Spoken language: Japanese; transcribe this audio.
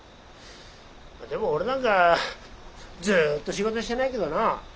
でも俺なんかずっと仕事してないけどな。